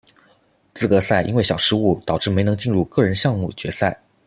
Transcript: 资格赛因为小失误导致没能进入个人项目决赛。